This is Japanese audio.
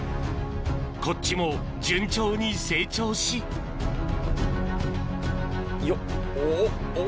こっちも順調に成長しよっおおっ。